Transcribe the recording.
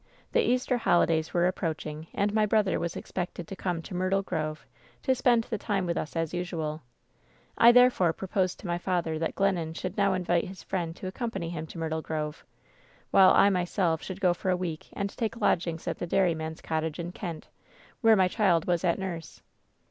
The Easter holidays were approaching, and my brother was expected to come to Myrtle Grove to spend the time with us as usual. I therefore proposed to my father that Glennon should now invite his friend to accompany him to Myrtle Grove, while I myself should go for a week and take lodgings at the dairyman's cottage in £ent, where my "•child was at nurse.